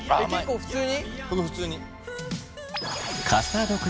普通に。